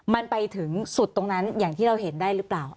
มันไปถึงสุดตรงนั้นอย่างที่เราเห็นได้หรือเปล่า